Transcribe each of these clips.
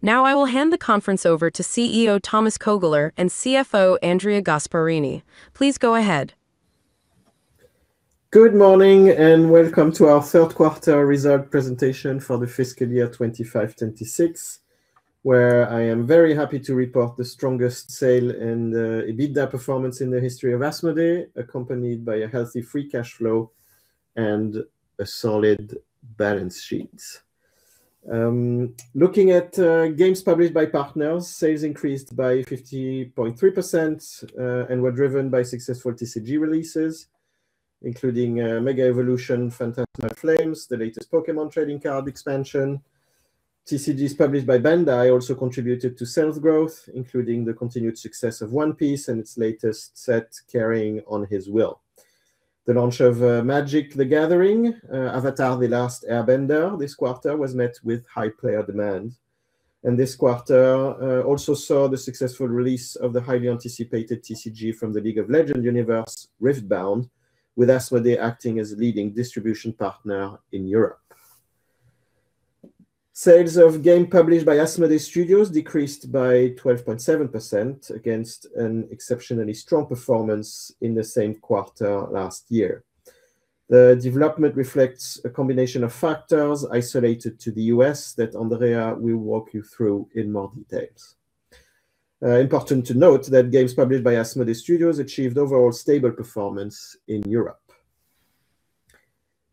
Now I will hand the conference over to CEO Thomas Koegler and CFO Andrea Gasparini. Please go ahead. Good morning, and welcome to our Q3 result presentation for the Fiscal Year 2025, 2026, where I am very happy to report the strongest sale and EBITDA performance in the history of Asmodee, accompanied by a healthy free cash flow and a solid balance sheet. Looking at games published by partners, sales increased by 50.3%, and were driven by successful TCG releases, including Mega Evolution: Phantasmal Flames, the latest Pokémon Trading Card expansion. TCGs, published by Bandai, also contributed to sales growth, including the continued success of One Piece and its latest set, Carrying on His Will. The launch of Magic: The Gathering, Avatar: The Last Airbender, this quarter was met with high player demand. This quarter also saw the successful release of the highly anticipated TCG from the League of Legends universe, Rifbound, with Asmodee acting as a leading distribution partner in Europe. Sales of games published by Asmodee Studios decreased by 12.7% against an exceptionally strong performance in the same quarter last year. The development reflects a combination of factors isolated to the U.S. that Andrea will walk you through in more details. Important to note that games published by Asmodee Studios achieved overall stable performance in Europe.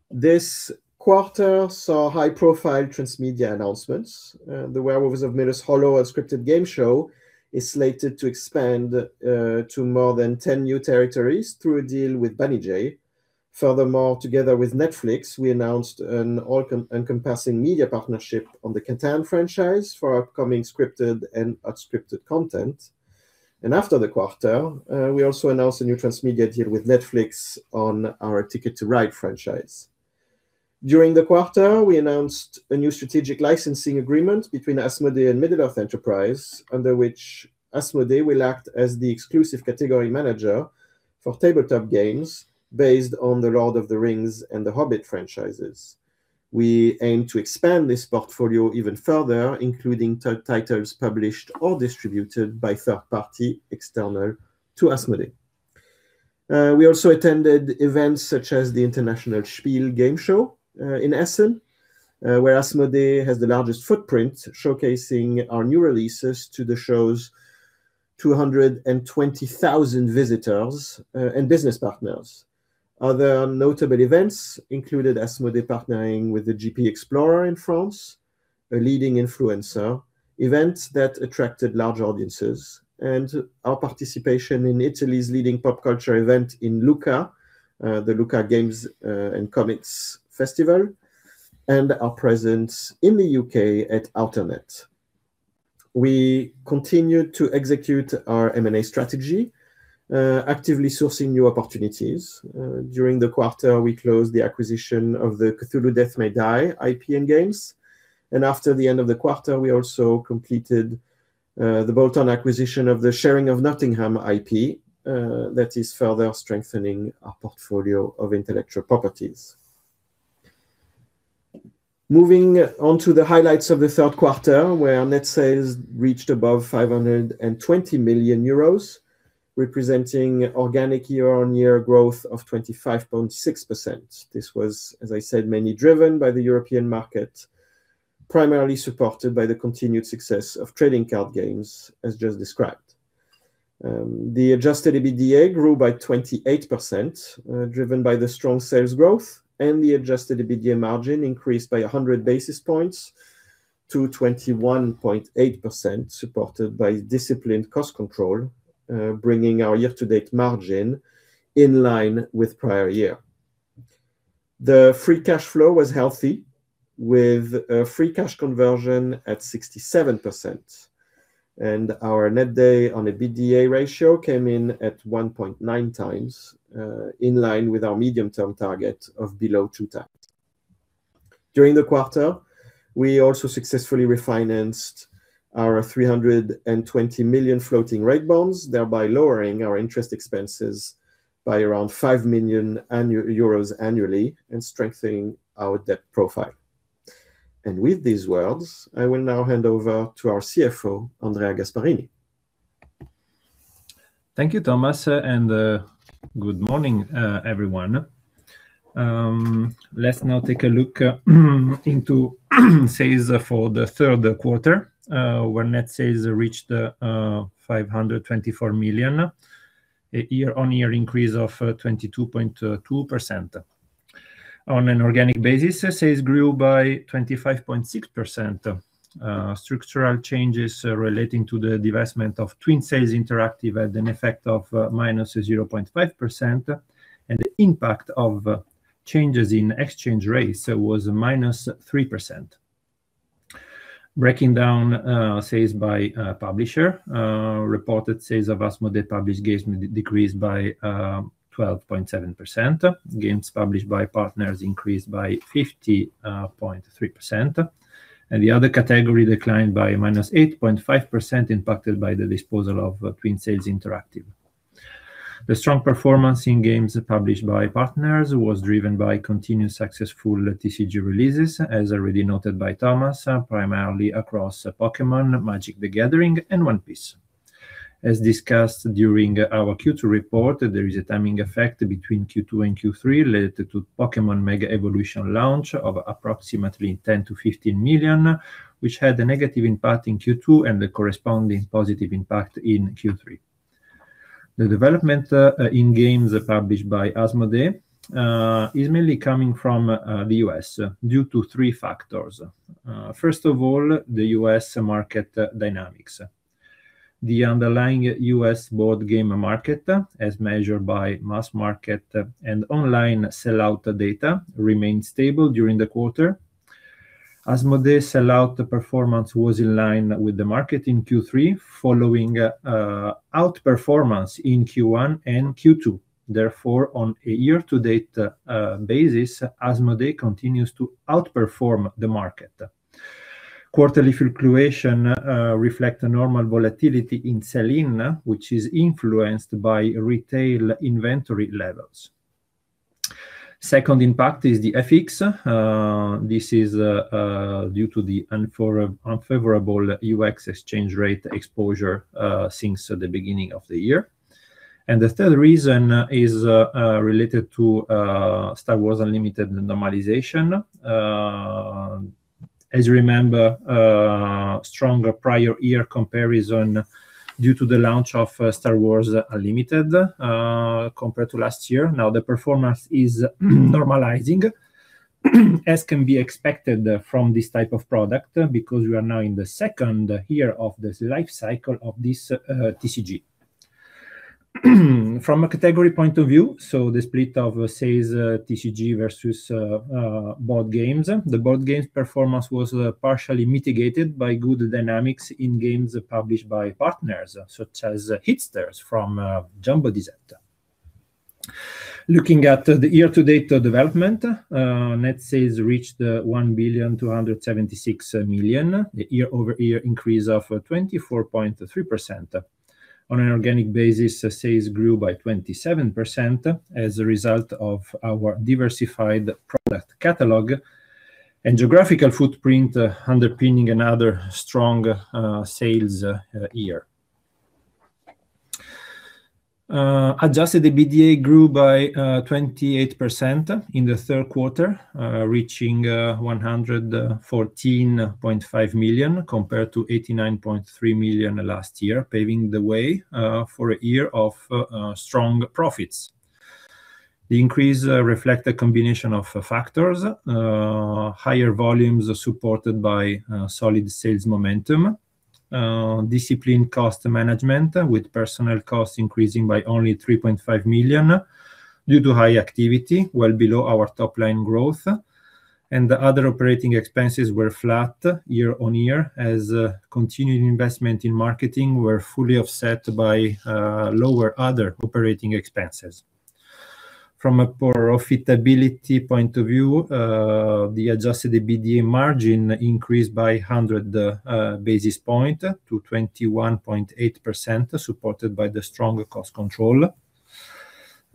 This quarter saw high-profile transmedia announcements. The Werewolves of Miller's Hollow unscripted game show is slated to expand to more than 10 new territories through a deal with Banijay. Furthermore, together with Netflix, we announced an all-encompassing media partnership on the Catan franchise for upcoming scripted and unscripted content. After the quarter, we also announced a new transmedia deal with Netflix on our Ticket to Ride franchise. During the quarter, we announced a new strategic licensing agreement between Asmodee and Middle-earth Enterprises, under which Asmodee will act as the exclusive category manager for tabletop games based on the Lord of the Rings and The Hobbit franchises. We aim to expand this portfolio even further, including titles published or distributed by third party external to Asmodee. We also attended events such as the International Spiel game show in Essen, where Asmodee has the largest footprint, showcasing our new releases to the show's 220,000 visitors and business partners. Other notable events included Asmodee partnering with the GP Explorer in France, a leading influencer, events that attracted large audiences, and our participation in Italy's leading pop culture event in Lucca, the Lucca Games & Comics Festival, and our presence in the UK at Altered. We continued to execute our M&A strategy, actively sourcing new opportunities. During the quarter, we closed the acquisition of the Cthulhu: Death May Die IP and games, and after the end of the quarter, we also completed the bolt-on acquisition of the Sheriff of Nottingham IP, that is further strengthening our portfolio of intellectual properties. Moving on to the highlights of the Q3, where our net sales reached above 520 million euros, representing organic year-on-year growth of 25.6%. This was, as I said, mainly driven by the European market, primarily supported by the continued success of trading card games, as just described. The adjusted EBITDA grew by 28%, driven by the strong sales growth, and the adjusted EBITDA margin increased by 100 basis points to 21.8%, supported by disciplined cost control, bringing our year-to-date margin in line with prior year. The free cash flow was healthy, with free cash conversion at 67%, and our net debt on EBITDA ratio came in at 1.9 times, in line with our medium-term target of below 2 times. During the quarter, we also successfully refinanced our 320 million floating rate bonds, thereby lowering our interest expenses by around 5 million euros annually and strengthening our debt profile. With these words, I will now hand over to our CFO, Andrea Gasparini. Thank you, Thomas, and good morning, everyone. Let's now take a look into sales for the Q3, where net sales reached 524 million, a year-on-year increase of 22.2%. On an organic basis, sales grew by 25.6%. Structural changes relating to the divestment of Twin Sails Interactive had an effect of -0.5%, and the impact of changes in exchange rates was -3%. Breaking down sales by publisher, reported sales of Asmodee published games decreased by 12.7%. Games published by partners increased by 50.3%, and the other category declined by -8.5%, impacted by the disposal of Twin Sails Interactive. The strong performance in games published by partners was driven by continued successful TCG releases, as already noted by Thomas, primarily across Pokémon, Magic: The Gathering, and One Piece. As discussed during our Q2 report, there is a timing effect between Q2 and Q3 related to Pokémon Mega Evolution launch of approximately 10-15 million, which had a negative impact in Q2 and the corresponding positive impact in Q3. The development in games published by Asmodee is mainly coming from the U.S. due to three factors. First of all, the U.S. market dynamics. The underlying U.S. board game market, as measured by mass market and online sell-out data, remained stable during the quarter. Asmodee sell-out performance was in line with the market in Q3, following outperformance in Q1 and Q2. Therefore, on a year-to-date basis, Asmodee continues to outperform the market. Quarterly fluctuation reflects a normal volatility in sales, which is influenced by retail inventory levels. Second impact is the FX. This is due to the unfavorable FX exchange rate exposure since the beginning of the year. The third reason is related to Star Wars Unlimited normalization. As you remember, a stronger prior year comparison due to the launch of Star Wars Unlimited compared to last year. Now, the performance is normalizing, as can be expected from this type of product, because we are now in the second year of this life cycle of this TCG. From a category point of view, so the split of sales, TCG versus board games, the board games performance was partially mitigated by good dynamics in games published by partners, such as Hitster from Jumbodiset. Looking at the year-to-date development, net sales reached 1,276 million, the year-over-year increase of 24.3%. On an organic basis, sales grew by 27% as a result of our diversified product catalog and geographical footprint, underpinning another strong sales year. Adjusted EBITDA grew by 28% in the Q3, reaching 114.5 million, compared to 89.3 million last year, paving the way for a year of strong profits. The increase reflect a combination of factors. Higher volumes are supported by solid sales momentum, disciplined cost management, with personnel costs increasing by only 3.5 million due to high activity, well below our top line growth, and the other operating expenses were flat year-on-year, as continued investment in marketing were fully offset by lower other operating expenses. From a poor profitability point of view, the adjusted EBITDA margin increased by 100 basis point to 21.8%, supported by the stronger cost control. Note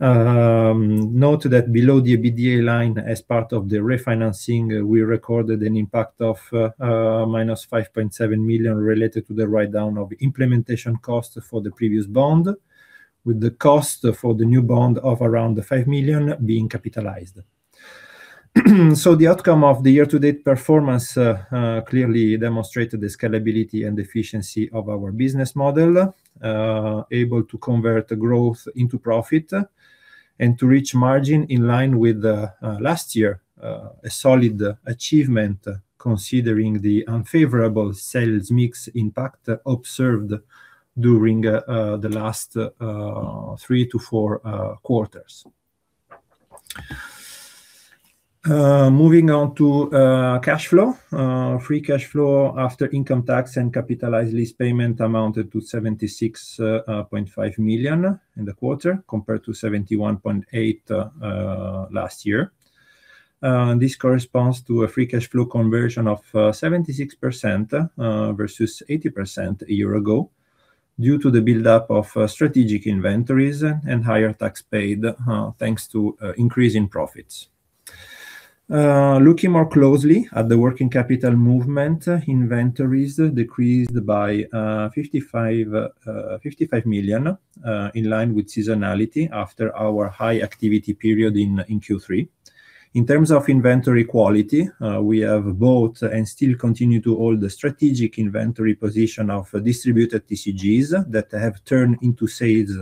that below the EBITDA line, as part of the refinancing, we recorded an impact of -5.7 million, related to the write-down of implementation costs for the previous bond, with the cost for the new bond of around 5 million being capitalized. So the outcome of the year-to-date performance clearly demonstrated the scalability and efficiency of our business model, able to convert growth into profit and to reach margin in line with the last year. A solid achievement, considering the unfavorable sales mix impact observed during the last 3-4 quarters. Moving on to cash flow. Free cash flow after income tax and capitalized lease payment amounted to 76.5 million in the quarter, compared to 71.8 million last year. This corresponds to a free cash flow conversion of 76% versus 80% a year ago, due to the buildup of strategic inventories and higher tax paid thanks to increase in profits. Looking more closely at the working capital movement, inventories decreased by 55 million in line with seasonality after our high activity period in Q3. In terms of inventory quality, we have bought and still continue to hold the strategic inventory position of distributed TCGs that have turned into sales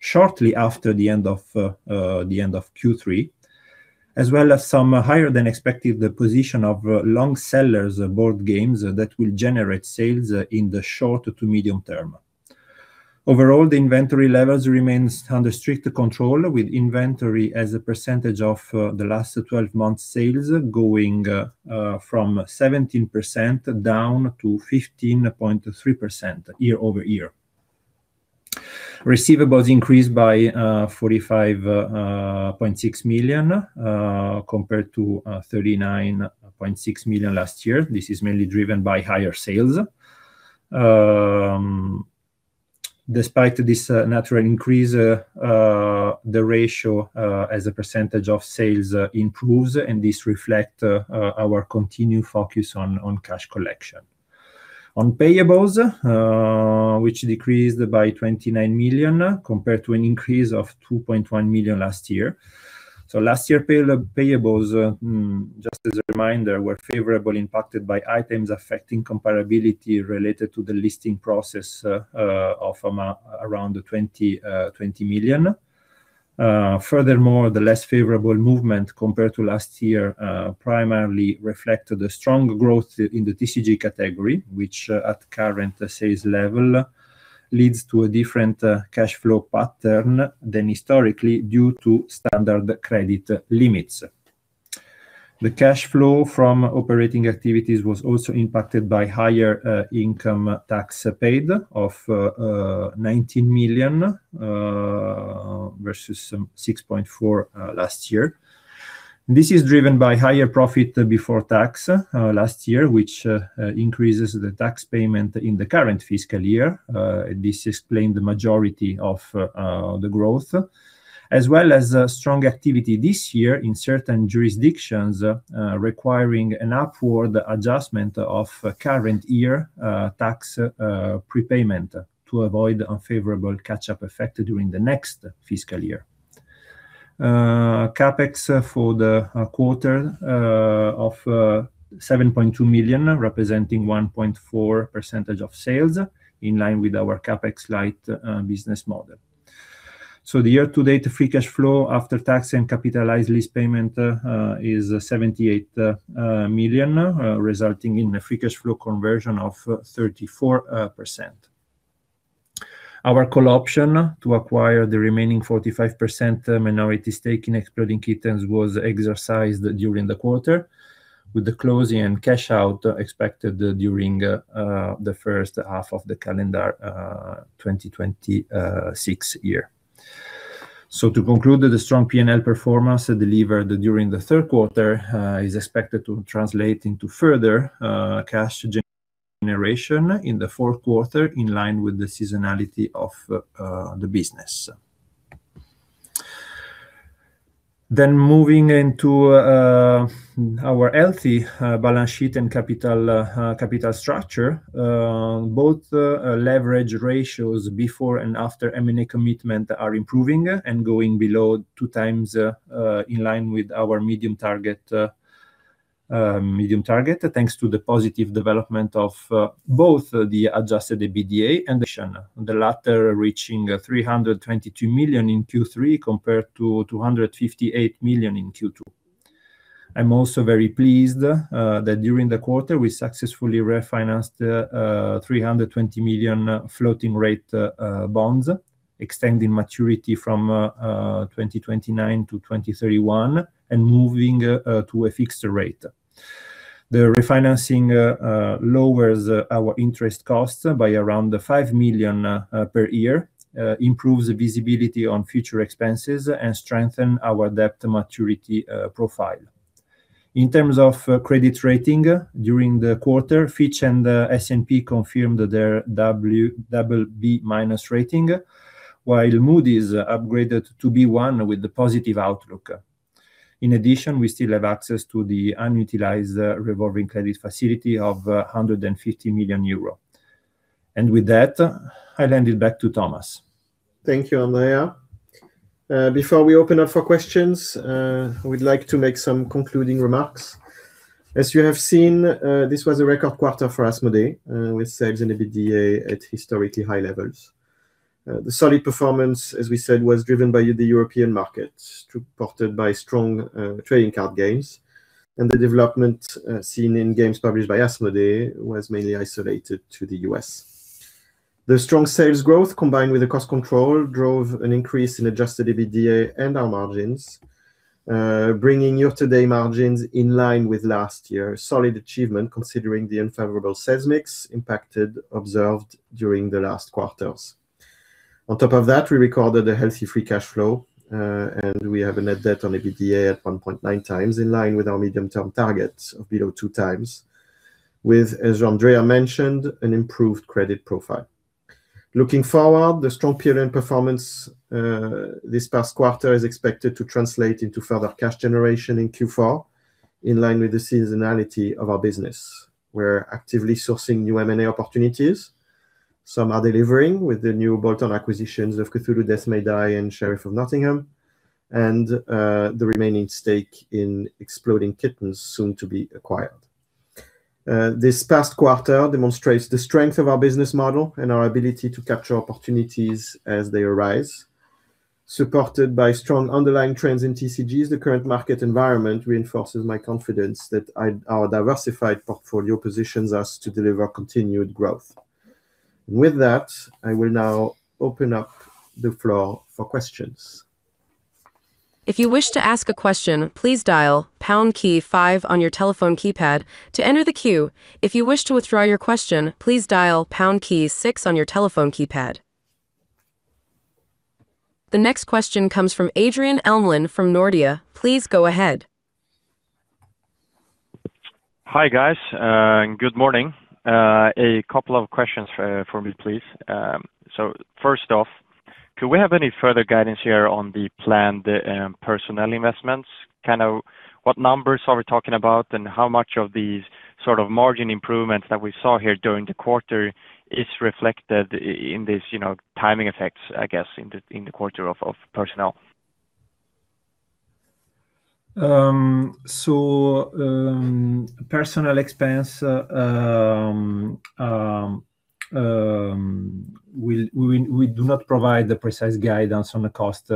shortly after the end of Q3, as well as some higher than expected, the position of long sellers board games that will generate sales in the short to medium term. Overall, the inventory levels remains under strict control, with inventory as a percentage of the last twelve months sales going from 17% down to 15.3% year-over-year. Receivables increased by 45.6 million compared to 39.6 million last year. This is mainly driven by higher sales. Despite this natural increase, the ratio as a percentage of sales improves, and this reflect our continued focus on cash collection. On payables, which decreased by 29 million, compared to an increase of 2.1 million last year. So last year, payables, just as a reminder, were favorably impacted by items affecting comparability related to the listing process of around 20 million. Furthermore, the less favorable movement compared to last year primarily reflected the strong growth in the TCG category, which at current sales level leads to a different cash flow pattern than historically due to standard credit limits. The cash flow from operating activities was also impacted by higher income tax paid of 19 million versus 6.4 million last year. This is driven by higher profit before tax last year, which increases the tax payment in the current fiscal year. This explained the majority of the growth, as well as a strong activity this year in certain jurisdictions requiring an upward adjustment of current year tax prepayment to avoid unfavorable catch-up effect during the next fiscal year. CapEx for the quarter of 7.2 million, representing 1.4% of sales, in line with our CapEx light business model. So the year-to-date free cash flow after tax and capitalized lease payment is 78 million resulting in a free cash flow conversion of 34%. Our call option to acquire the remaining 45% minority stake in Exploding Kittens was exercised during the quarter, with the closing and cash out expected during the first half of the calendar 2026 year. So to conclude, the strong P&L performance delivered during the Q3 is expected to translate into further cash generation in the Q4, in line with the seasonality of the business. Then moving into our healthy balance sheet and capital structure. Both leverage ratios before and after M&A commitment are improving and going below 2x in line with our medium target, thanks to the positive development of both the adjusted EBITDA and net debt, the latter reaching 322 million in Q3, compared to 258 million in Q2. I'm also very pleased that during the quarter, we successfully refinanced 320 million floating rate bonds, extending maturity from 2029 to 2031 and moving to a fixed rate. The refinancing lowers our interest costs by around 5 million per year, improves the visibility on future expenses, and strengthen our debt maturity profile. In terms of credit rating, during the quarter, Fitch and the S&P confirmed their BBB- rating, while Moody's upgraded to B1 with the positive outlook. In addition, we still have access to the unutilized revolving credit facility of 150 million euro. And with that, I'll hand it back to Thomas. Thank you, Andrea. Before we open up for questions, we'd like to make some concluding remarks. As you have seen, this was a record quarter for Asmodee, with sales and EBITDA at historically high levels. The solid performance, as we said, was driven by the European market, supported by strong trading card games, and the development seen in games published by Asmodee was mainly isolated to the US. The strong sales growth, combined with the cost control, drove an increase in adjusted EBITDA and our margins, bringing year-to-date margins in line with last year. Solid achievement, considering the unfavorable sales mix impacted observed during the last quarters. On top of that, we recorded a healthy free cash flow, and we have a net debt on EBITDA at 1.9 times, in line with our medium-term target of below 2 times, with, as Andrea mentioned, an improved credit profile. Looking forward, the strong P&L performance this past quarter is expected to translate into further cash generation in Q4, in line with the seasonality of our business. We're actively sourcing new M&A opportunities. Some are delivering with the new bolt-on acquisitions of Cthulhu: Death May Die, and Sheriff of Nottingham, and the remaining stake in Exploding Kittens, soon to be acquired. This past quarter demonstrates the strength of our business model and our ability to capture opportunities as they arise, supported by strong underlying trends in TCGs. The current market environment reinforces my confidence that our diversified portfolio positions us to deliver continued growth. With that, I will now open up the floor for questions. If you wish to ask a question, please dial pound key five on your telephone keypad to enter the queue. If you wish to withdraw your question, please dial pound key six on your telephone keypad. The next question comes from Adrian Elmlund from Nordea. Please go ahead. Hi, guys, and good morning. A couple of questions for me, please. So first off, do we have any further guidance here on the planned personnel investments? Kind of what numbers are we talking about, and how much of these sort of margin improvements that we saw here during the quarter is reflected in this, you know, timing effects, I guess, in the quarter of personnel? So, personnel expense, we do not provide the precise guidance on the cost,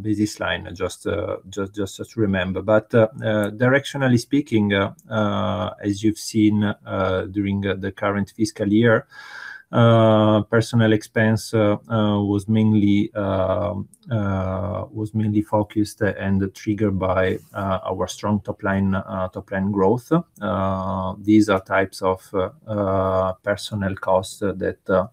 business line, just to remember. But directionally speaking, as you've seen during the current fiscal year, personnel expense was mainly focused and triggered by our strong top line growth. These are types of personnel costs that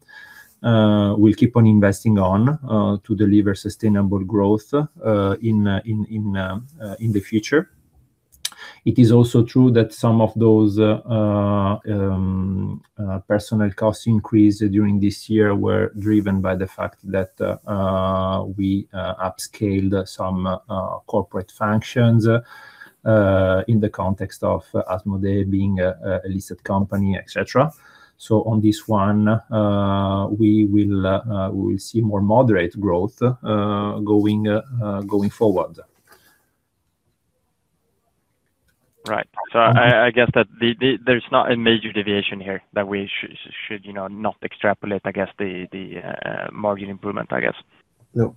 we'll keep on investing on to deliver sustainable growth in the future. It is also true that some of those personnel cost increases during this year were driven by the fact that we upscaled some corporate functions in the context of Asmodee being a listed company, et cetera. On this one, we will see more moderate growth going forward. Right. So I guess that there's not a major deviation here that we should, you know, not extrapolate, I guess, the margin improvement, I guess. No.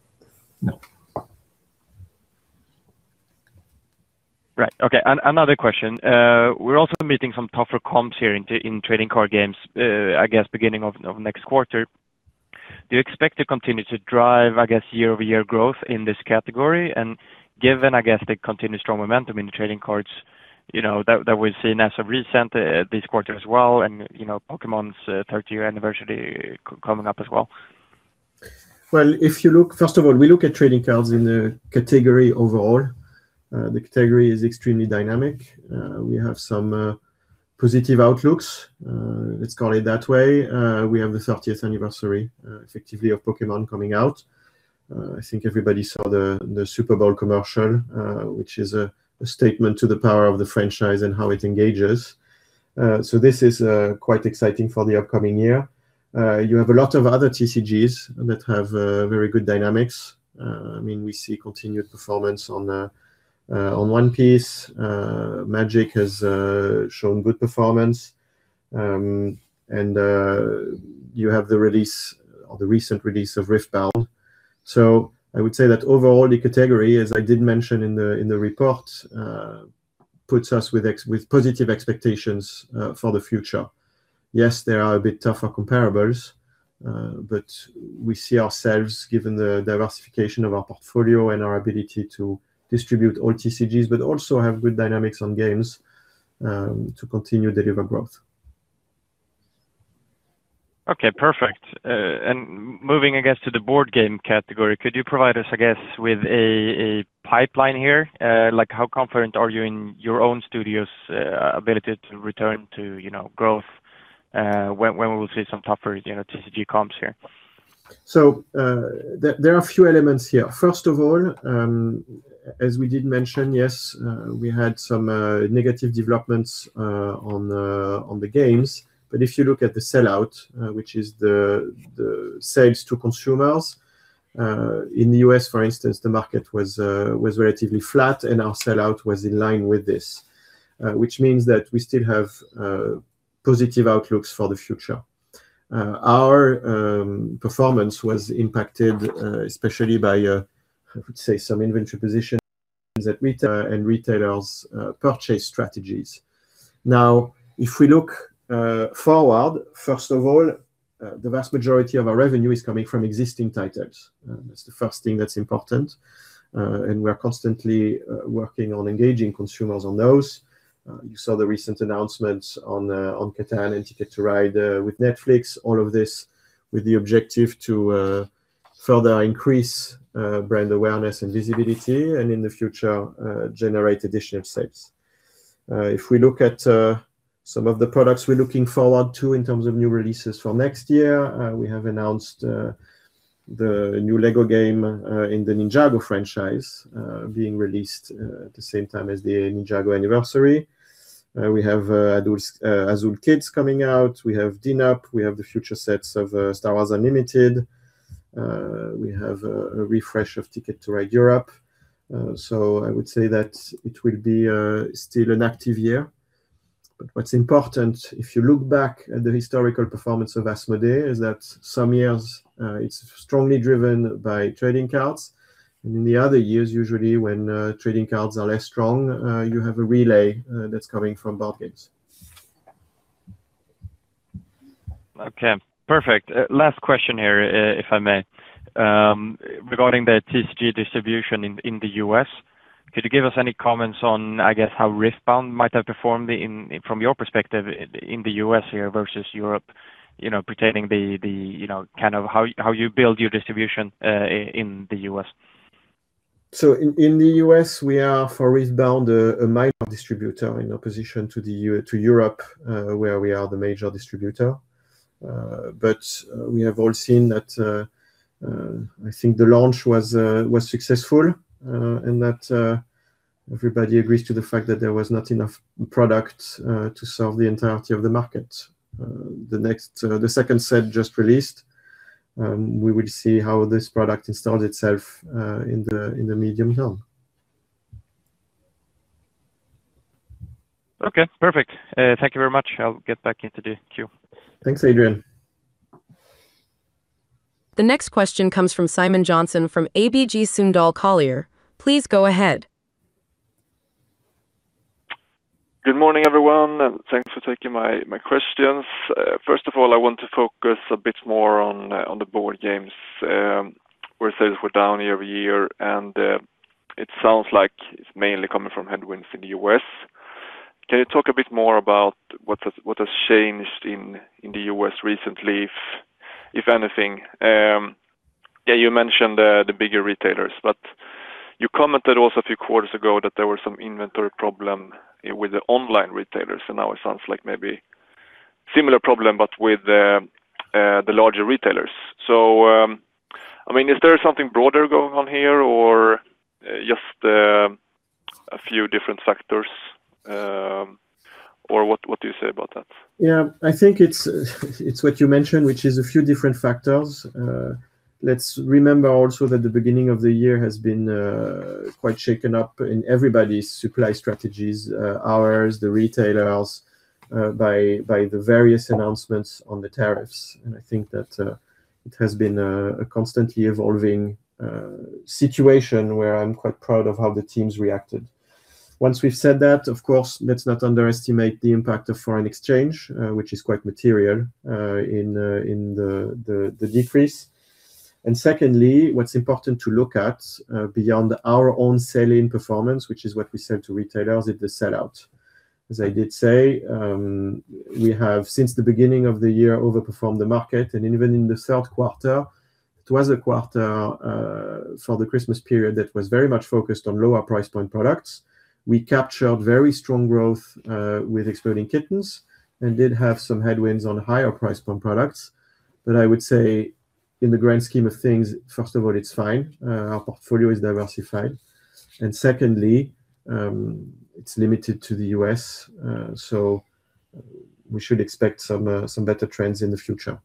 No. Right. Okay, another question. We're also meeting some tougher comps here in trading card games, I guess, beginning of next quarter. Do you expect to continue to drive, I guess, year-over-year growth in this category? And given, I guess, the continued strong momentum in trading cards, you know, that we've seen as of recent, this quarter as well, and, you know, Pokémon's 30th anniversary coming up as well. Well, if you look. First of all, we look at trading cards in the category overall. The category is extremely dynamic. We have some positive outlooks, let's call it that way. We have the thirtieth anniversary, effectively of Pokémon coming out. I think everybody saw the Super Bowl commercial, which is a statement to the power of the franchise and how it engages. So this is quite exciting for the upcoming year. You have a lot of other TCGs that have very good dynamics. I mean, we see continued performance on One Piece. Magic has shown good performance. And you have the release or the recent release of Riftbound. So I would say that overall, the category, as I did mention in the report, puts us with positive expectations for the future. Yes, there are a bit tougher comparables, but we see ourselves, given the diversification of our portfolio and our ability to distribute all TCGs, but also have good dynamics on games, to continue to deliver growth. Okay, perfect. And moving, I guess, to the board game category, could you provide us, I guess, with a pipeline here? Like, how confident are you in your own studio's ability to return to, you know, growth, when we will see some tougher, you know, TCG comps here? So, there are a few elements here. First of all, as we did mention, yes, we had some negative developments on the games, but if you look at the sellout, which is the sales to consumers in the U.S., for instance, the market was relatively flat, and our sellout was in line with this, which means that we still have positive outlooks for the future. Our performance was impacted, especially by, I would say, some inventory positions and retailers' purchase strategies. Now, if we look forward, first of all, the vast majority of our revenue is coming from existing titles. That's the first thing that's important, and we are constantly working on engaging consumers on those. You saw the recent announcements on Catan and Ticket to Ride with Netflix, all of this with the objective to further increase brand awareness and visibility, and in the future, generate additional sales. If we look at some of the products we're looking forward to in terms of new releases for next year, we have announced the new LEGO game in the Ninjago franchise being released the same time as the Ninjago anniversary. We have Azul Kids coming out. We have Dino Picnic, we have the future sets of Star Wars Unlimited. We have a refresh of Ticket to Ride Europe. So I would say that it will be still an active year. What's important, if you look back at the historical performance of Asmodee, is that some years, it's strongly driven by trading cards, and in the other years, usually when trading cards are less strong, you have a relay that's coming from board games. Okay, perfect. Last question here, if I may. Regarding the TCG distribution in the U.S. Could you give us any comments on, I guess, how Riftbound might have performed in, from your perspective, in the U.S. here versus Europe? You know, pertaining the, the, you know, kind of how, how you build your distribution in the U.S. So in the US, we are for Riftbound a minor distributor in opposition to Europe, where we are the major distributor. But we have all seen that I think the launch was successful, and that everybody agrees to the fact that there was not enough product to serve the entirety of the market. The second set just released; we will see how this product installs itself in the medium term. Okay, perfect. Thank you very much. I'll get back into the queue. Thanks, Adrian. The next question comes from Simon Jönsson from ABG Sundal Collier. Please go ahead. Good morning, everyone, and thanks for taking my questions. First of all, I want to focus a bit more on the board games. Where sales were down year-over-year, and it sounds like it's mainly coming from headwinds in the U.S. Can you talk a bit more about what has changed in the U.S. recently, if anything? Yeah, you mentioned the bigger retailers, but you commented also a few quarters ago that there were some inventory problem with the online retailers, and now it sounds like maybe similar problem, but with the larger retailers. So, I mean, is there something broader going on here or just a few different factors, or what do you say about that? Yeah, I think it's what you mentioned, which is a few different factors. Let's remember also that the beginning of the year has been quite shaken up in everybody's supply strategies, ours, the retailers, by the various announcements on the tariffs. And I think that it has been a constantly evolving situation where I'm quite proud of how the teams reacted. Once we've said that, of course, let's not underestimate the impact of foreign exchange, which is quite material in the decrease. And secondly, what's important to look at beyond our own sell-in performance, which is what we sell to retailers, is the sell-out. As I did say, we have, since the beginning of the year, overperformed the market, and even in the Q3, it was a quarter for the Christmas period that was very much focused on lower price point products. We captured very strong growth with Exploding Kittens and did have some headwinds on higher price point products. But I would say in the grand scheme of things, first of all, it's fine, our portfolio is diversified, and secondly, it's limited to the US, so we should expect some better trends in the future.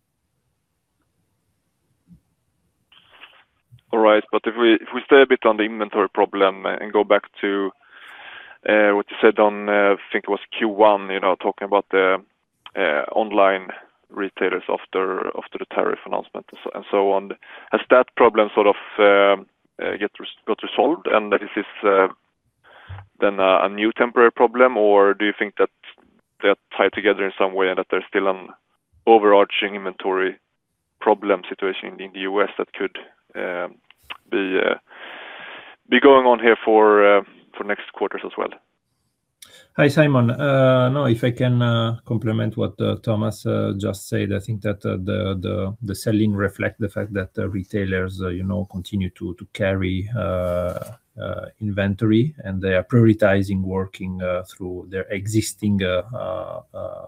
All right, but if we, if we stay a bit on the inventory problem and go back to, what you said on, I think it was Q1, you know, talking about the, online retailers after, after the tariff announcement and so on. Has that problem sort of, got resolved, and that this is, then a, a new temporary problem? Or do you think that they're tied together in some way and that there's still an overarching inventory problem situation in the U.S. that could, be going on here for, for next quarters as well? Hi, Simon. No, if I can compliment what Thomas just said, I think that the selling reflect the fact that the retailers, you know, continue to carry inventory, and they are prioritizing working through their existing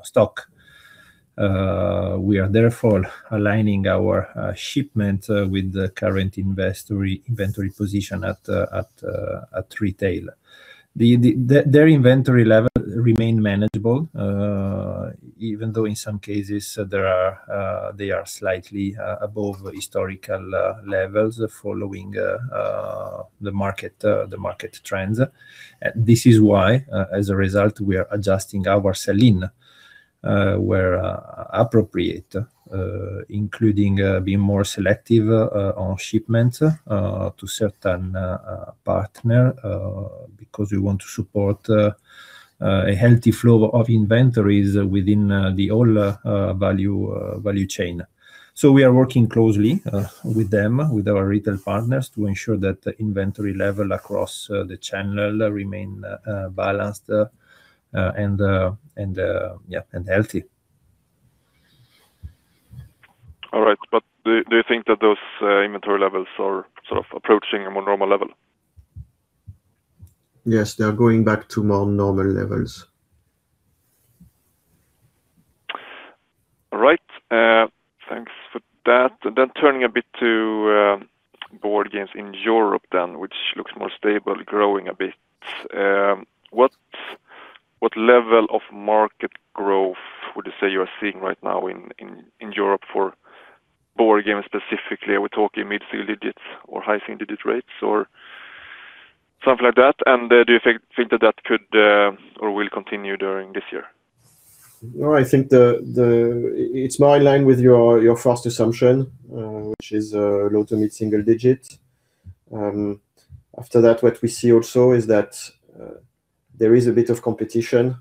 stock. We are therefore aligning our shipment with the current inventory position at retail. Their inventory level remain manageable, even though in some cases they are slightly above historical levels following the market trends. This is why, as a result, we are adjusting our sell-in where appropriate, including being more selective on shipments to certain partner because we want to support a healthy flow of inventories within the whole value value chain. So we are working closely with them, with our retail partners, to ensure that the inventory level across the channel remain balanced, and and yeah, and healthy. All right, but do you think that those inventory levels are sort of approaching a more normal level? Yes, they are going back to more normal levels. All right, thanks for that. Then turning a bit to board games in Europe, which looks more stable, growing a bit. What level of market growth would you say you are seeing right now in Europe for board games specifically? Are we talking mid-single digits or high single digit rates or something like that? And do you think that could or will continue during this year? No, I think it's more in line with your first assumption, which is low to mid single digit. After that, what we see also is that there is a bit of competition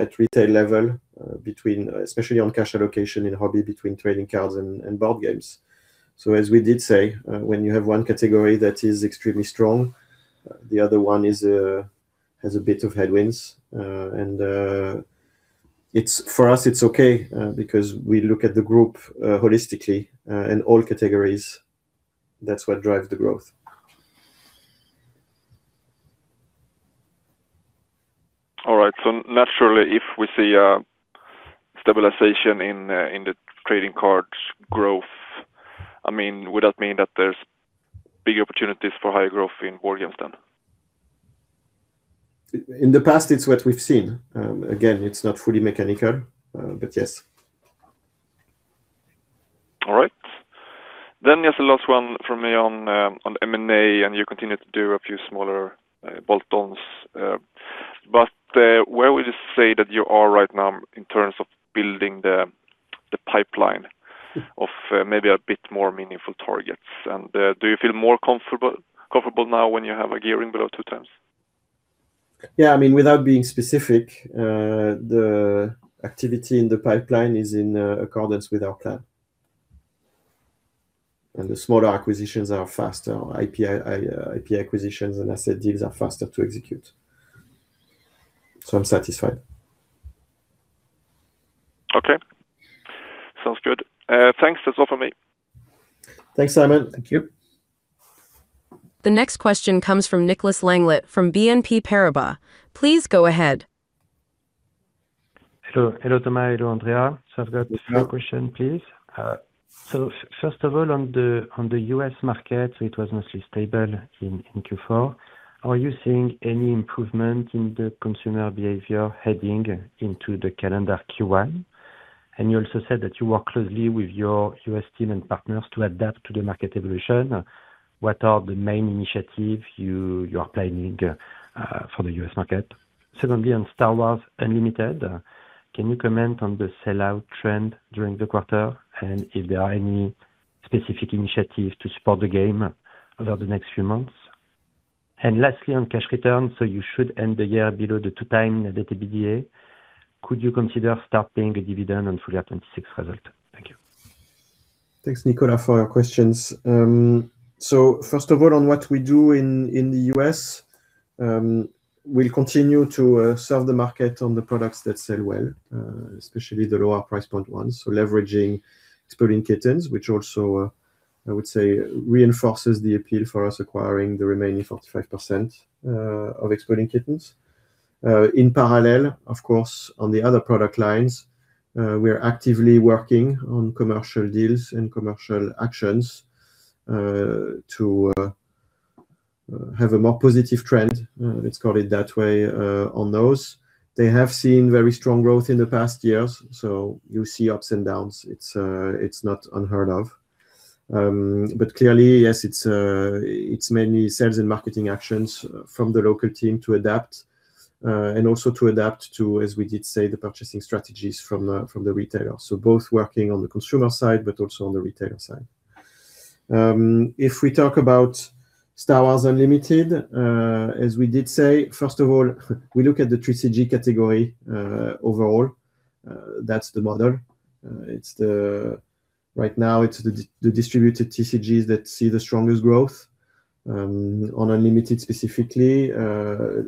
at retail level between, especially on cash allocation in hobby, between trading cards and board games. So as we did say, when you have one category that is extremely strong, the other one is has a bit of headwinds. And it's for us, it's okay because we look at the group holistically and all categories, that's what drives the growth. All right. So naturally, if we see a stabilization in the trading cards growth, I mean, would that mean that there's big opportunities for higher growth in board games then? In the past, it's what we've seen. Again, it's not fully mechanical, but yes. All right. Then there's a last one from me on M&A, and you continue to do a few smaller bolt-ons, but where would you say that you are right now in terms of building the pipeline- Mm. -of, maybe a bit more meaningful targets? And, do you feel more comfortable, comfortable now when you have a gearing below two times? Yeah, I mean, without being specific, the activity in the pipeline is in accordance with our plan. The smaller acquisitions are faster. IP acquisitions and asset deals are faster to execute. I'm satisfied. Okay. Sounds good. Thanks. That's all for me. Thanks, Simon. Thank you. The next question comes from Nicolas Langlet, from BNP Paribas. Please go ahead. Hello. Hello, Thomas Koegler. Hello, Andrea Gasparini. So I've got two question, please. First of all, on the U.S. market, it was mostly stable in Q4. Are you seeing any improvement in the consumer behavior heading into the calendar Q1? And you also said that you work closely with your U.S. team and partners to adapt to the market evolution. What are the main initiatives you are planning for the U.S. market? Secondly, on Star Wars Unlimited, can you comment on the sell-out trend during the quarter, and if there are any specific initiatives to support the game over the next few months? And lastly, on cash return, so you should end the year below the 2x EBITDA. Could you consider starting a dividend on full year 2026 result? Thank you. Thanks, Nicolas, for your questions. So first of all, on what we do in the U.S. we'll continue to serve the market on the products that sell well, especially the lower price point ones. So leveraging Exploding Kittens, which also I would say reinforces the appeal for us acquiring the remaining 45% of Exploding Kittens. In parallel, of course, on the other product lines, we are actively working on commercial deals and commercial actions to have a more positive trend, let's call it that way, on those. They have seen very strong growth in the past years, so you see ups and downs. It's not unheard of. But clearly, yes, it's mainly sales and marketing actions from the local team to adapt and also to adapt to, as we did say, the purchasing strategies from the retailers. So both working on the consumer side, but also on the retailer side. If we talk about Star Wars Unlimited, as we did say, first of all, we look at the TCG category overall, that's the model. Right now, it's the distributed TCGs that see the strongest growth. On Unlimited specifically,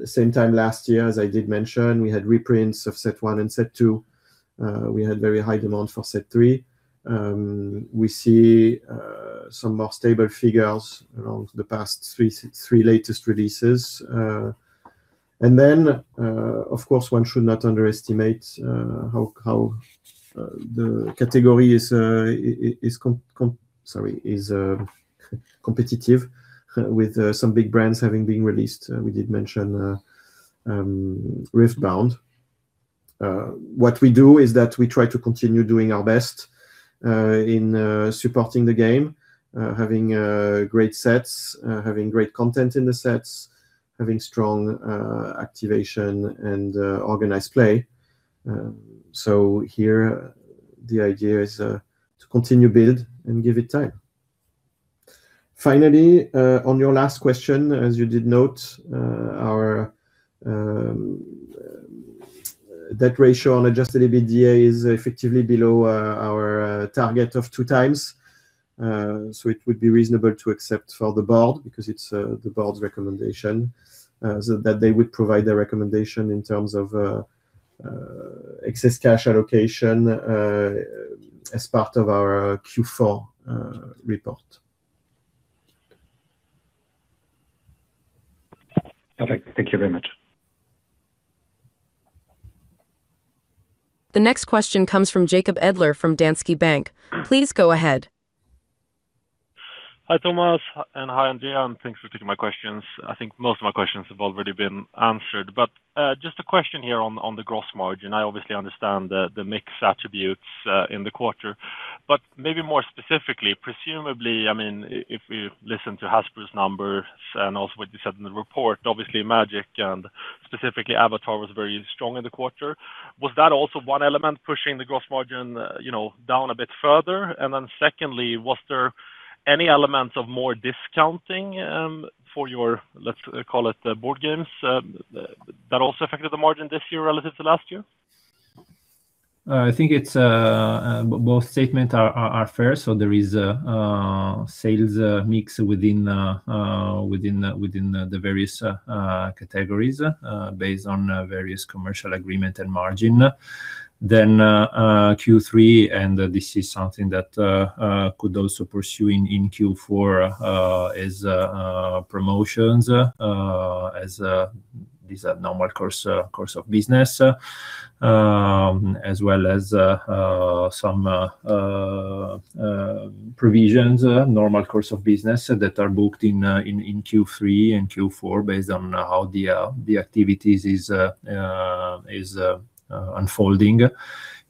same time last year, as I did mention, we had reprints of set one and set two. We had very high demand for set three. We see some more stable figures around the past three latest releases. And then, of course, one should not underestimate how the category is competitive with some big brands having been released. We did mention Riftbound. What we do is that we try to continue doing our best in supporting the game, having great sets, having great content in the sets, having strong activation and organized play. So here the idea is to continue build and give it time. Finally, on your last question, as you did note, our that ratio on adjusted EBITDA is effectively below our target of 2x. So it would be reasonable to accept for the board, because it's the board's recommendation, so that they would provide their recommendation in terms of excess cash allocation, as part of our Q4 report. Okay. Thank you very much. The next question comes from Jacob Edler, from Danske Bank. Please go ahead. Hi, Thomas, and hi, Andrea. Thanks for taking my questions. I think most of my questions have already been answered, but just a question here on the gross margin. I obviously understand the mix attributes in the quarter, but maybe more specifically, presumably, I mean, if we listen to Hasbro's numbers and also what you said in the report, obviously, Magic, and specifically Avatar, was very strong in the quarter. Was that also one element pushing the gross margin down a bit further? And then secondly, was there any elements of more discounting for your, let's call it, board games, that also affected the margin this year relative to last year? I think it's both statement are fair, so there is a sales mix within the various categories based on various commercial agreement and margin. Then Q3, and this is something that could also pursue in Q4 is promotions as these are normal course of business. As well as some provisions normal course of business that are booked in Q3 and Q4, based on how the activities is unfolding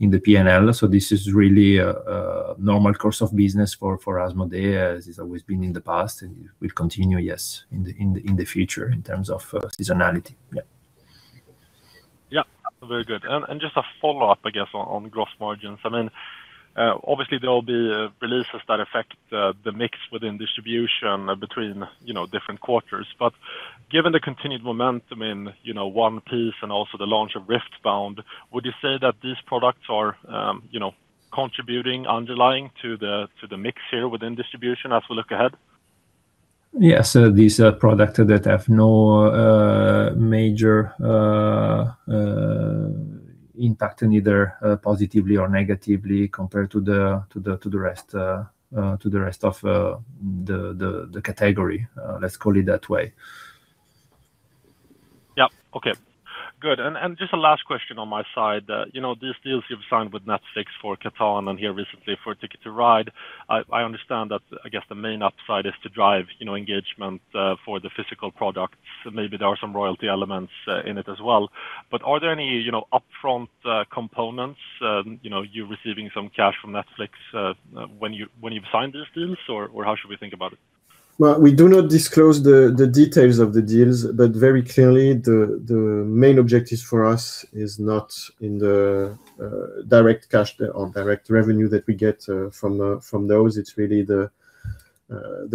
in the P&L. So this is really a normal course of business for Asmodee, as it's always been in the past and will continue yes in the future in terms of seasonality. Yeah. Yeah, very good. And just a follow-up, I guess, on gross margins. I mean, obviously, there will be releases that affect the mix within distribution between, you know, different quarters. But given the continued momentum in, you know, One Piece and also the launch of Riftbound, would you say that these products are contributing underlying to the mix here within distribution as we look ahead? Yes. These are products that have no major impact, neither positively or negatively compared to the rest of the category, let's call it that way. Yeah. Okay, good. And just a last question on my side. You know, these deals you've signed with Netflix for Catan and here recently for Ticket to Ride, I understand that, I guess the main upside is to drive, you know, engagement for the physical products. Maybe there are some royalty elements in it as well. But are there any, you know, upfront components, you know, you receiving some cash from Netflix when you've signed these deals? Or how should we think about it? Well, we do not disclose the details of the deals, but very clearly, the main objective for us is not in the direct cash or direct revenue that we get from those. It's really the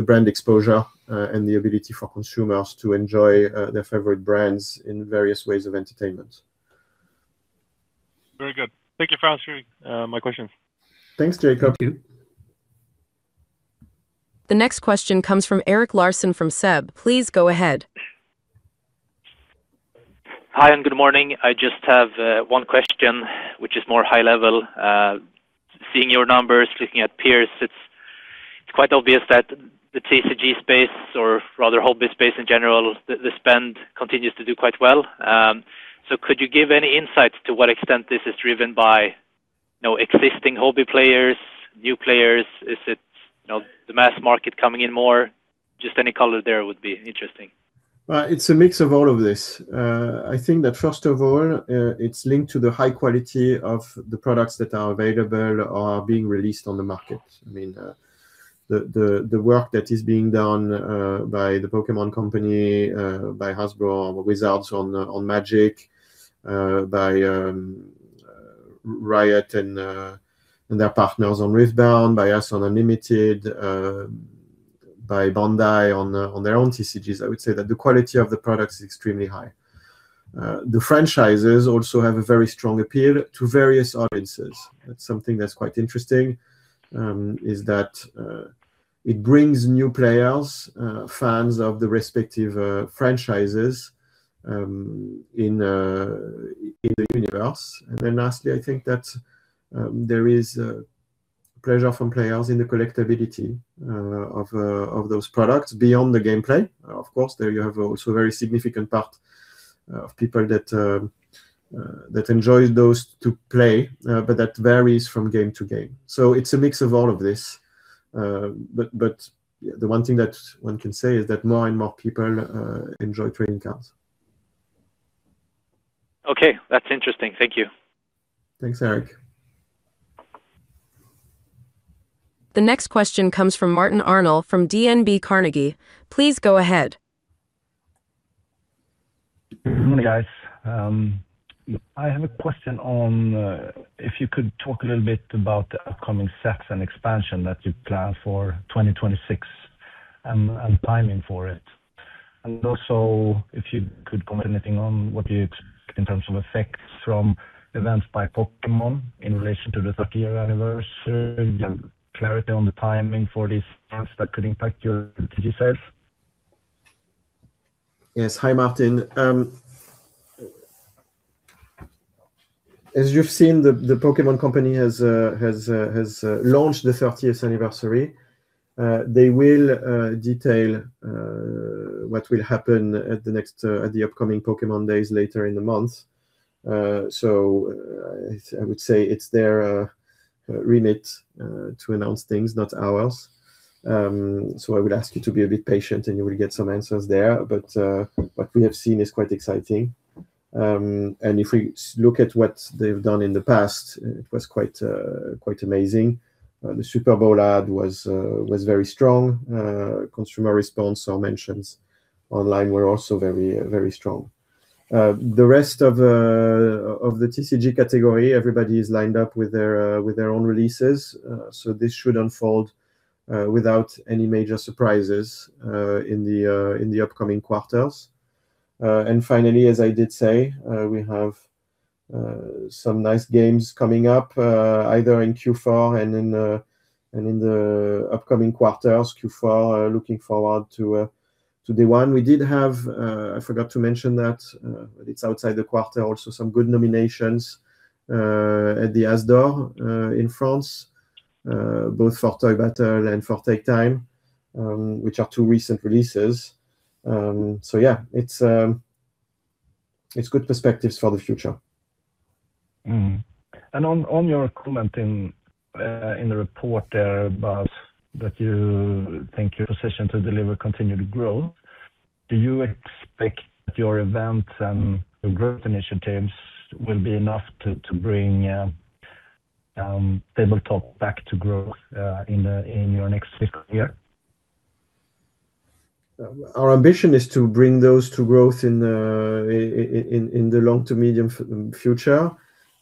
brand exposure and the ability for consumers to enjoy their favorite brands in various ways of entertainment. Very good. Thank you for answering, my questions. Thanks, Jacob. Thank you. The next question comes from Erik Larsson from SEB. Please go ahead. Hi, and good morning. I just have one question, which is more high level. Seeing your numbers, looking at peers, it's quite obvious that the TCG space, or rather hobby space in general, the spend continues to do quite well. So could you give any insights to what extent this is driven by, you know, existing hobby players, new players? Is it, you know, the mass market coming in more? Just any color there would be interesting. It's a mix of all of this. I think that first of all, it's linked to the high quality of the products that are available or are being released on the market. I mean, the work that is being done by The Pokémon Company, by Hasbro with Wizards on Magic, by Riot and their partners on Riftbound, by Asmodee Unlimited, by Bandai on their own TCGs. I would say that the quality of the products is extremely high. The franchises also have a very strong appeal to various audiences. That's something that's quite interesting, is that it brings new players, fans of the respective franchises, in the universe. Then lastly, I think that there is a pleasure from players in the collectibility of those products beyond the gameplay. Of course, there you have also a very significant part of people that enjoy those to play, but that varies from game to game. So it's a mix of all of this. But the one thing that one can say is that more and more people enjoy trading cards. Okay, that's interesting. Thank you. Thanks, Erik. The next question comes from Martin Arnell from DNB Markets. Please go ahead. Good morning, guys. I have a question on if you could talk a little bit about the upcoming sets and expansion that you plan for 2026 and timing for it. And also, if you could comment anything on what you, in terms of effects from events by Pokémon in relation to the 30th anniversary, clarity on the timing for these events that could impact your TCG sales. Yes. Hi, Martin. As you've seen, The Pokémon Company has launched the 30th anniversary. They will detail what will happen at the upcoming Pokémon days later in the month. So I would say it's their remit to announce things, not ours. So I would ask you to be a bit patient, and you will get some answers there. But what we have seen is quite exciting. And if we look at what they've done in the past, it was quite amazing. The Super Bowl ad was very strong. Consumer response or mentions online were also very, very strong. The rest of the TCG category, everybody is lined up with their own releases. So this should unfold without any major surprises in the upcoming quarters. And finally, as I did say, we have some nice games coming up either in Q4 and in the upcoming quarters, Q4. Looking forward to the one we did have. I forgot to mention that, it's outside the quarter also, some good nominations at the As d'Or in France both for Toy Battle and for Take Time, which are two recent releases. So yeah, it's good perspectives for the future. Mm-hmm. And on your comment in the report there about that you think your position to deliver continue to grow, do you expect your events and the growth initiatives will be enough to bring tabletop back to growth in your next fiscal year? Our ambition is to bring those to growth in the long to medium future.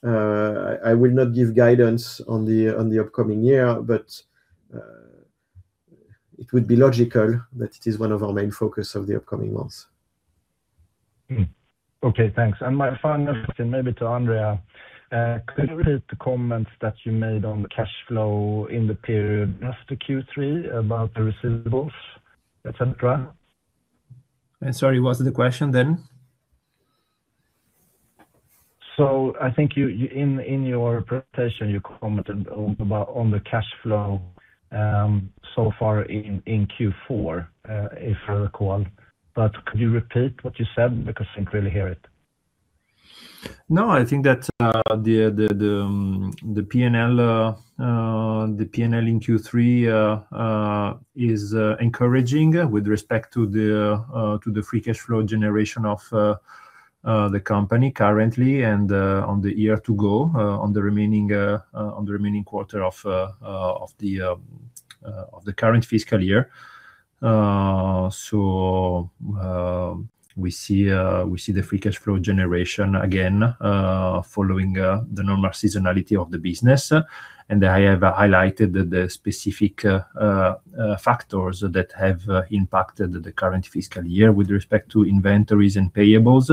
I will not give guidance on the upcoming year, but it would be logical that it is one of our main focus of the upcoming months. Mm-hmm. Okay, thanks. My final question, maybe to Andrea, could you repeat the comments that you made on the cash flow in the period after Q3 about the receivables, et cetera? Sorry, what's the question then? So I think in your presentation you commented on the cash flow so far in Q4, if I recall. But could you repeat what you said? Because I couldn't really hear it. No, I think that the P&L in Q3 is encouraging with respect to the free cash flow generation of the company currently and on the year to go on the remaining quarter of the current fiscal year. So, we see the free cash flow generation again following the normal seasonality of the business. And I have highlighted the specific factors that have impacted the current fiscal year with respect to inventories and payables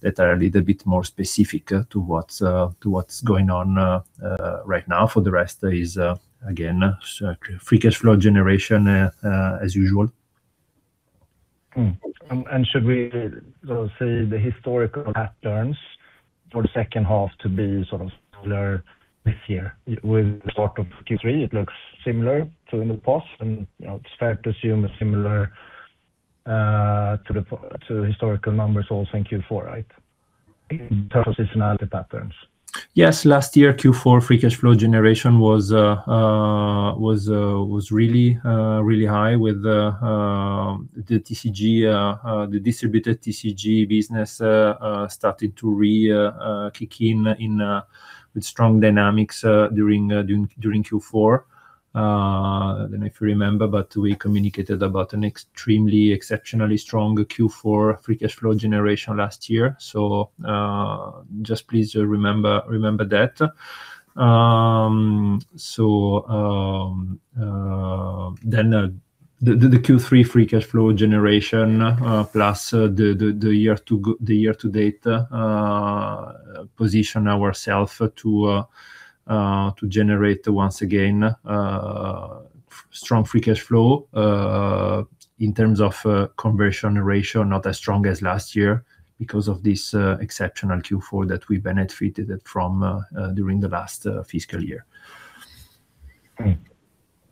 that are a little bit more specific to what's going on right now. For the rest is again free cash flow generation as usual. Mm-hmm. Should we say the historical patterns for the second half to be sort of similar this year? With the start of Q3, it looks similar to the past, and, you know, it's fair to assume a similar to the historical numbers also in Q4, right? In terms of seasonality patterns. Yes. Last year, Q4 free cash flow generation was really high with the TCG, the distributed TCG business started to kick in with strong dynamics during Q4. I don't know if you remember, but we communicated about an extremely exceptionally strong Q4 free cash flow generation last year. So, just please remember that. So, then the Q3 free cash flow generation plus the year to date position ourself to generate once again strong free cash flow. In terms of conversion ratio, not as strong as last year because of this exceptional Q4 that we benefited it from during the last fiscal year.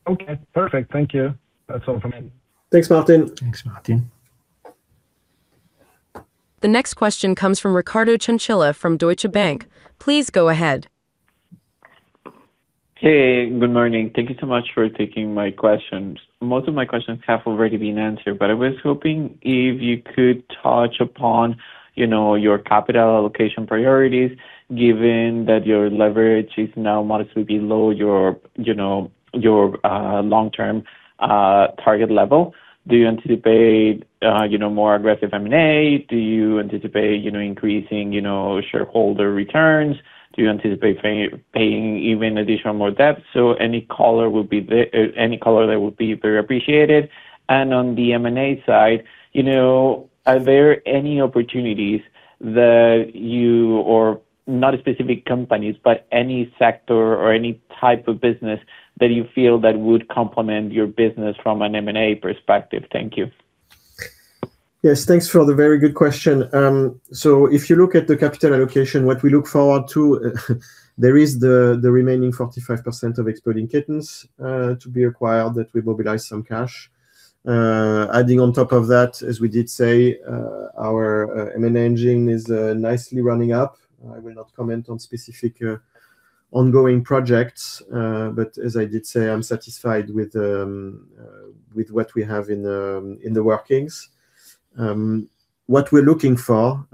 Okay, perfect. Thank you. That's all for me. Thanks, Martin. Thanks, Martin. The next question comes from Ricardo Chinchilla from Deutsche Bank. Please go ahead. Hey, good morning. Thank you so much for taking my questions. Most of my questions have already been answered, but I was hoping if you could touch upon, you know, your capital allocation priorities, given that your leverage is now modestly below your, you know, your long-term target level. Do you anticipate, you know, more aggressive M&A? Do you anticipate, you know, increasing, you know, shareholder returns? Do you anticipate paying even additional more debt? So any color there will be very appreciated. And on the M&A side, you know, are there any opportunities that you or not a specific companies, but any sector or any type of business that you feel that would complement your business from an M&A perspective? Thank you. Yes, thanks for the very good question. So if you look at the capital allocation, what we look forward to, there is the remaining 45% of Exploding Kittens to be acquired, that we mobilize some cash. Adding on top of that, as we did say, our M&A engine is nicely running up. I will not comment on specific ongoing projects, but as I did say, I'm satisfied with what we have in the workings. What we're looking for,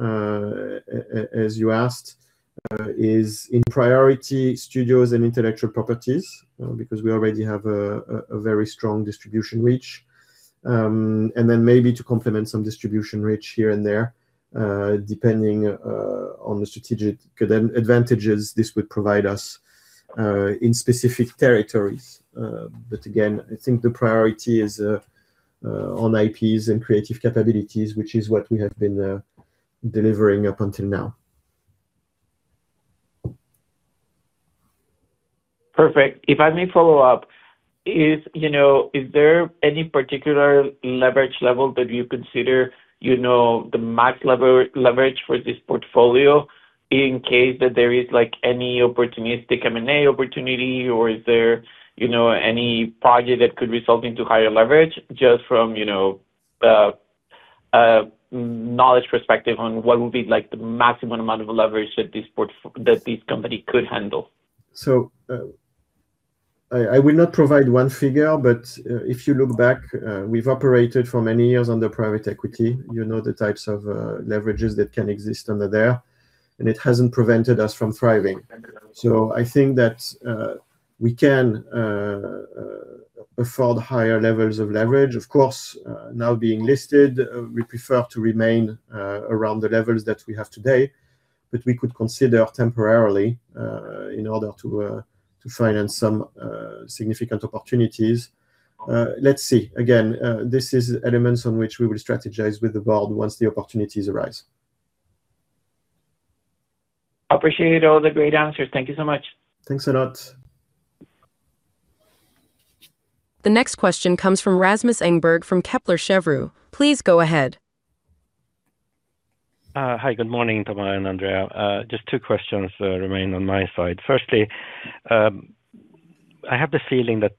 as you asked, is in priority studios and intellectual properties, because we already have a very strong distribution reach. And then maybe to complement some distribution reach here and there, depending on the strategic advantages this would provide us in specific territories. But again, I think the priority is on IPs and creative capabilities, which is what we have been delivering up until now. Perfect. If I may follow up, is, you know, is there any particular leverage level that you consider, you know, the max leverage for this portfolio in case that there is, like, any opportunistic M&A opportunity? Or is there, you know, any project that could result into higher leverage just from, you know, a knowledge perspective on what would be like the maximum amount of leverage that this company could handle? So, I will not provide one figure, but if you look back, we've operated for many years under private equity. You know, the types of leverages that can exist under there, and it hasn't prevented us from thriving. So I think that we can afford higher levels of leverage. Of course, now being listed, we prefer to remain around the levels that we have today, but we could consider temporarily in order to to finance some significant opportunities. Let's see. Again, this is elements on which we will strategize with the board once the opportunities arise. Appreciate all the great answers. Thank you so much. Thanks a lot. The next question comes from Rasmus Engberg, from Kepler Cheuvreux. Please go ahead. Hi, good morning, Thomas and Andrea. Just two questions remain on my side. Firstly, I have the feeling that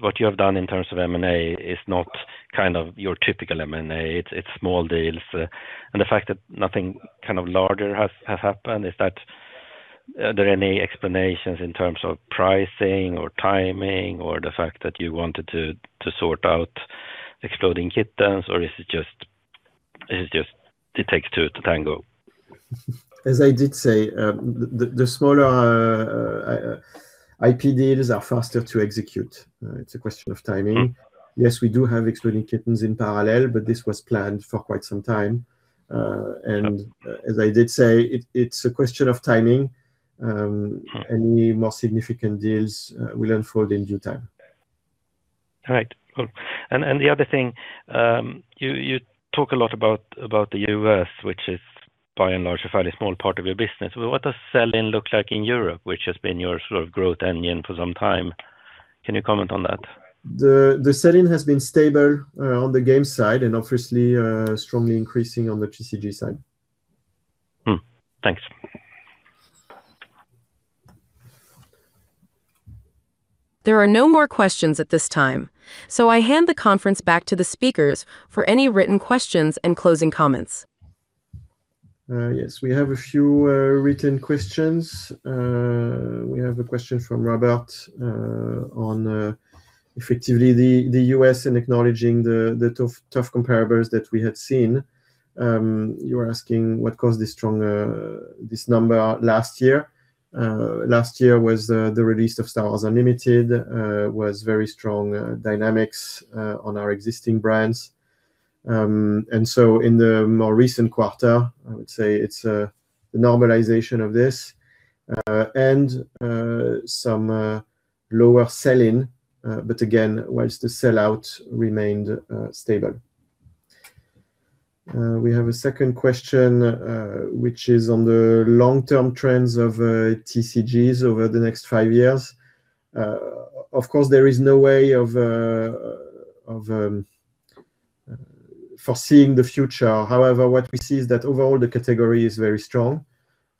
what you have done in terms of M&A is not kind of your typical M&A. It's small deals, and the fact that nothing kind of larger has happened. Are there any explanations in terms of pricing or timing, or the fact that you wanted to sort out Exploding Kittens, or is it just that it takes two to tango? As I did say, the smaller IP deals are faster to execute. It's a question of timing. Mm-hmm. Yes, we do have Exploding Kittens in parallel, but this was planned for quite some time. Mm.... and as I did say, it, it's a question of timing. Mm. Any more significant deals will unfold in due time. All right. Cool. And the other thing, you talk a lot about the U.S., which is by and large a fairly small part of your business. But what does sell-in look like in Europe, which has been your sort of growth engine for some time? Can you comment on that? The sell-in has been stable on the game side and obviously strongly increasing on the TCG side. Mm. Thanks. There are no more questions at this time, so I hand the conference back to the speakers for any written questions and closing comments. Yes, we have a few written questions. We have a question from Robert on effectively the U.S. and acknowledging the tough comparables that we had seen. You were asking what caused this strong number last year. Last year was the release of Star Wars Unlimited was very strong dynamics on our existing brands. And so in the more recent quarter, I would say it's the normalization of this and some lower sell-in, but again, whilst the sell-out remained stable. We have a second question, which is on the long-term trends of TCGs over the next five years. Of course, there is no way of foreseeing the future. However, what we see is that overall, the category is very strong,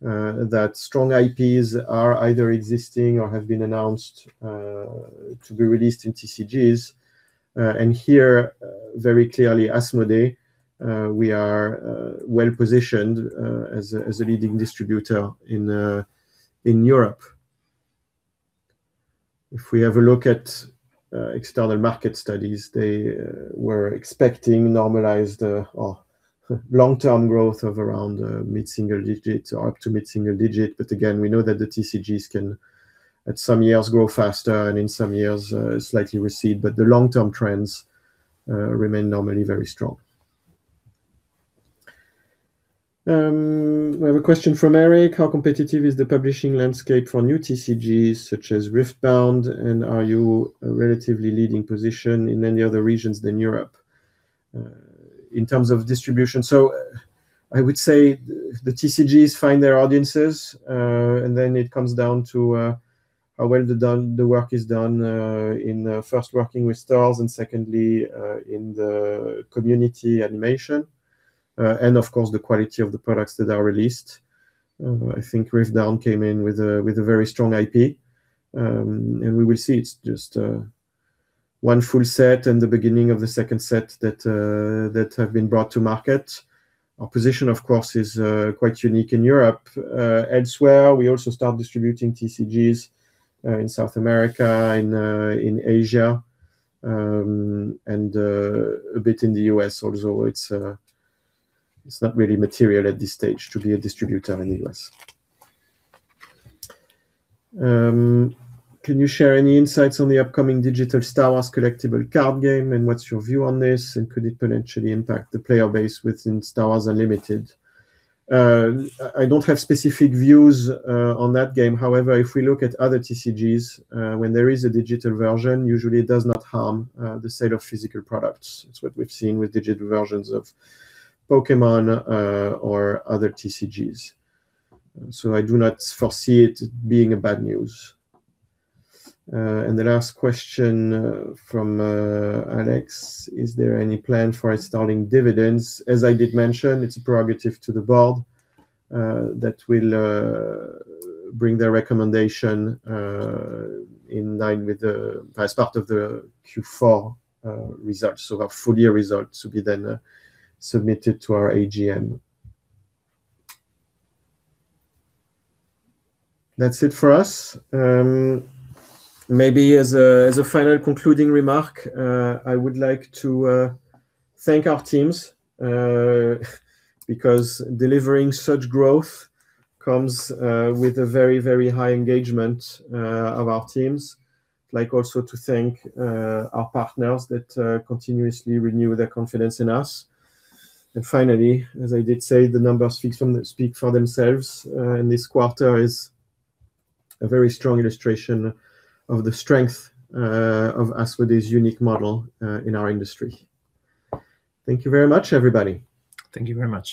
that strong IPs are either existing or have been announced, to be released in TCGs. And here, very clearly, Asmodee, we are, well positioned, as a, as a leading distributor in, in Europe. If we have a look at, external market studies, they were expecting normalized, or long-term growth of around, mid-single digits or up to mid-single digit. But again, we know that the TCGs can, at some years, grow faster and in some years, slightly recede, but the long-term trends, remain normally very strong. We have a question from Erik: "How competitive is the publishing landscape for new TCGs, such as Riftbound? And are you a relatively leading position in any other regions than Europe, in terms of distribution?" So I would say if the TCGs find their audiences, and then it comes down to, how well the done, the work is done, in, first working with stars and secondly, in the community animation, and of course, the quality of the products that are released. I think Riftbound came in with a very strong IP, and we will see. It's just, one full set and the beginning of the second set that have been brought to market. Our position, of course, is quite unique in Europe. Elsewhere, we also start distributing TCGs, in South America, in Asia, and a bit in the U.S. also. It's not really material at this stage to be a distributor in the U.S. "Can you share any insights on the upcoming digital Star Wars collectible card game, and what's your view on this, and could it potentially impact the player base within Star Wars Unlimited?" I don't have specific views on that game. However, if we look at other TCGs, when there is a digital version, usually it does not harm the sale of physical products. It's what we've seen with digital versions of Pokémon or other TCGs. So I do not foresee it being bad news. And the last question from Alex: "Is there any plan for installing dividends?" As I did mention, it's prerogative to the board that will bring their recommendation in line with the... As part of the Q4 results. So our full year results will be then submitted to our AGM. That's it for us. Maybe as a final concluding remark, I would like to thank our teams, because delivering such growth comes with a very, very high engagement of our teams. Also to thank our partners that continuously renew their confidence in us. And finally, as I did say, the numbers speak for themselves, and this quarter is a very strong illustration of the strength of Asmodee's unique model in our industry. Thank you very much, everybody. Thank you very much.